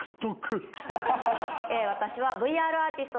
私は。